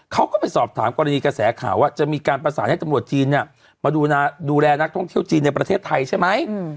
เขาก็ไปสอบถามกรณีกระแสข่าวว่าจะมีการประสานให้ตำรวจจีนมาดูแลนักท่องเที่ยวจีนในประเทศไทยใช่ไหม